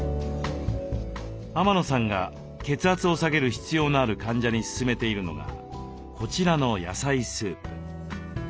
天野さんが血圧を下げる必要のある患者に勧めているのがこちらの野菜スープ。